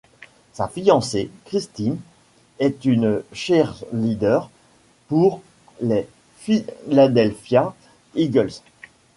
Sa fiancée, Christine, est une cheerleader pour les Philadelphia Eagles.